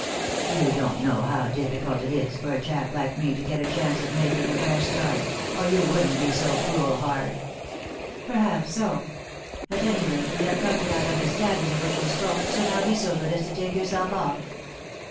You don't know how difficult it is for a chap like me to get a chance of making a fresh start, or you wouldn't be so cruel hard." " Perhaps so. At any rate, we have come to that understanding of which you spoke, so now be so good as to take yourself off."